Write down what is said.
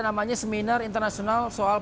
namanya seminar internasional soal